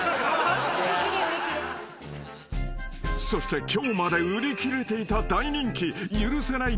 ［そして今日まで売り切れていた大人気許せない！！